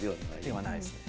ではないですね。